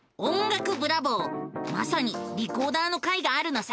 まさにリコーダーの回があるのさ！